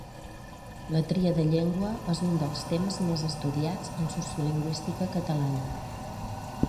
La "tria de llengua" és un dels temes més estudiats en sociolingüística catalana.